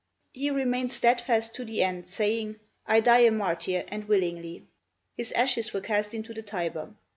He remained steadfast to the end, saying, "I die a martyr, and willingly." His ashes were cast into the Tiber.